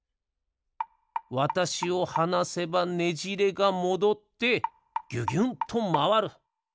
わたしをはなせばねじれがもどってぎゅぎゅんとまわる。